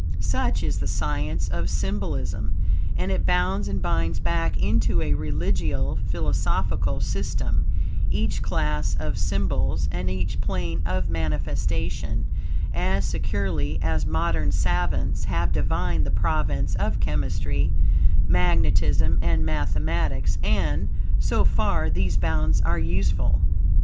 Such is the science of symbolism; and it bounds and binds back into a religio philosophical system, each class of symbols and each plane of manifestation; as securely as modern savants have defined the province of chemistry, magnetism, and mathematics; and, so far, these bounds are useful.